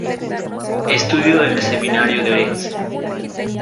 Estudió en el seminario de Orense.